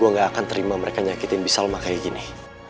gua nggak akan terima mereka nyakitin bi salma kayak gini